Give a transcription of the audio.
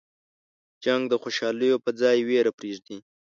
جنګ د خوشحالیو په ځای ویر پرېږدي.